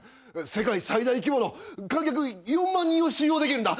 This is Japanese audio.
世代最大規模の観客４万人を収容できるんだ。